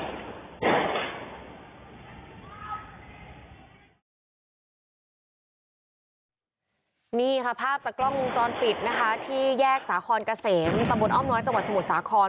ท่านสามารถเพราะสำคัญภาพจากกล้องวงจรปิดนะคะที่แยกสาคอนเกระเสมสวภวนอ้อมมน้อยจังหวัดสมุตรสาคร